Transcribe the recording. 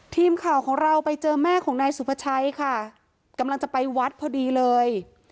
ทีมข่าวของเราไปเจอแม่ของนายสุภาชัยค่ะกำลังจะไปวัดพอดีเลย